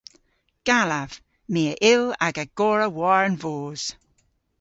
Gallav. My a yll aga gorra war an voos.